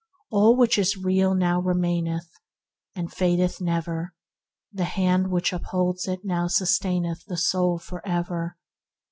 ... "All which is real now remaineth, And fadeth never; The hand which upholds it now sustaineth The soul for ever.